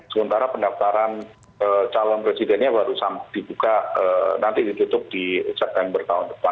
sementara pendaftaran calon presidennya baru dibuka nanti ditutup di september tahun depan